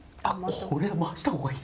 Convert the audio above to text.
これは回した方がいい？